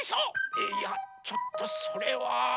えっいやちょっとそれは。